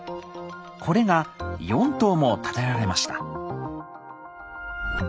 これが４棟も建てられました。